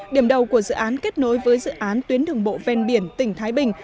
điểm đầu của dự án kết nối với dự án tuyến đường bộ ven biển tỉnh thái bình